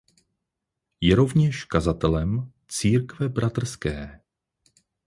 Je rovněž kazatelem Církve bratrské.